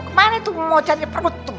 kemana itu mau cari perut tuh